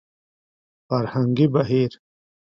فرهنګي بهير